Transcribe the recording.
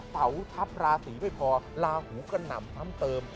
เสาทับราศีไม่พอลาหูกระหน่ำซ้ำเติม